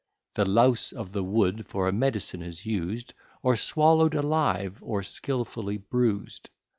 The louse of the wood for a medicine is used Or swallow'd alive, or skilfully bruised.